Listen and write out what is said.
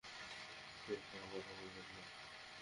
কেউ খারাপ কথা বলবেন না।